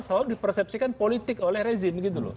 seolah olah dipersepsikan politik oleh rezim gitu loh